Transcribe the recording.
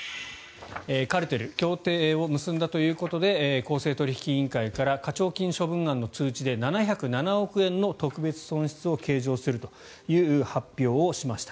カルテル、協定を結んだということで公正取引委員会から課徴金処分案の通知で７０７億円の特別損失を計上するという発表をしました。